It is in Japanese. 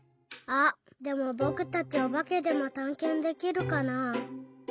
あっでもぼくたちおばけでもたんけんできるかな。